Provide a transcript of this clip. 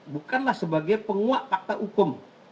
bukanlah sebagai penguak fakta hukum